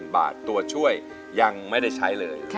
๐บาทตัวช่วยยังไม่ได้ใช้เลย